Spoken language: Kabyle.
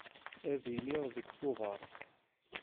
Ad d-iliɣ deg Tubeṛ.